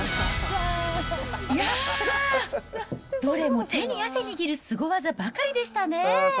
いやー、どれも手に汗握るすご技ばかりでしたね。